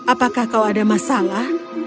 apakah kau ada masalah